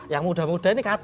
yang muda muda ini